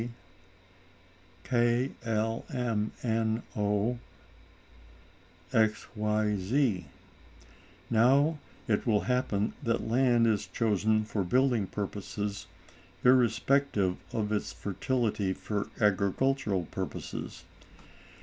| K, L, M, N, O, |... X, Y, Z. Now it will happen that land is chosen for building purposes irrespective of its fertility for agricultural purposes.